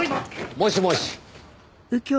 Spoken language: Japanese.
もしもし。